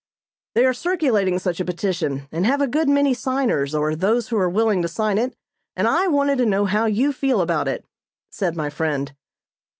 "They are circulating such a petition, and have a good many signers, or those who are willing to sign it, and I wanted to know how you feel about it," said my friend.